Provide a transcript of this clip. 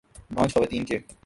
بانجھ خواتین کے